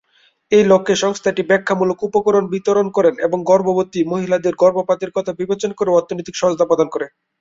এই লক্ষ্যে, সংস্থাটি ব্যাখ্যামূলক উপকরণ বিতরণ করে এবং গর্ভবতী মহিলাদের গর্ভপাতের কথা বিবেচনা করে অর্থনৈতিক সহায়তা প্রদান করে।